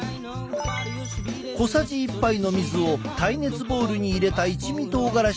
小さじ１杯の水を耐熱ボウルに入れた一味とうがらしに加える。